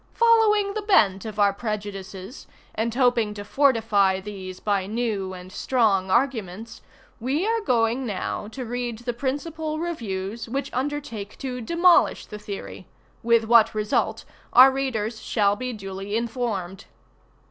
Following the bent of our prejudices, and hoping to fortify these by new and strong arguments, we are going now to read the principal reviews which undertake to demolish the theory ;ŌĆö with what result our readers shall be duly informed.